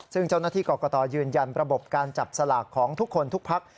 ซึ่งเจ้าหน้าที่กรกตยืนยันระบบการจับสลากของทุกคนทุกพัก